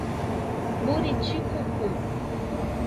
Buriticupu